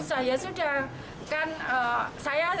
tidak tidak usah